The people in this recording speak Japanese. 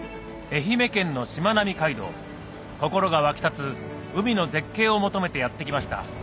愛媛県のしまなみ海道心が沸き立つ海の絶景を求めてやって来ました